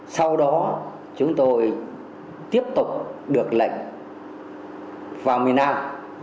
sau đó chúng tôi tiếp tục được lệnh vào miền nam